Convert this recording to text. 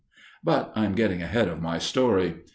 But I am getting ahead of my story.